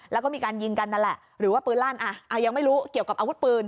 แล้วก็มีการยิงกันนั่นแหละหรือว่าปืนลั่นยังไม่รู้เกี่ยวกับอาวุธปืน